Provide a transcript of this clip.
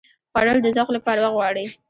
خوړل د ذوق لپاره وخت غواړي